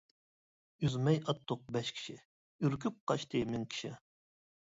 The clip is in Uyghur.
ئۈزمەي ئاتتۇق بەش كىشى، ئۈركۈپ قاچتى مىڭ كىشى.